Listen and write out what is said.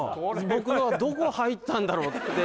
僕のはどこ入ったんだろうって